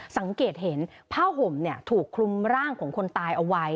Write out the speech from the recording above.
สังเกตเห็นผ้าห่มถูกคลุมร่างของคนตายเอาไว้